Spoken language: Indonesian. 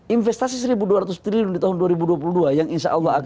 investasi satu dua ratus triliun di tahun dua ribu dua puluh dua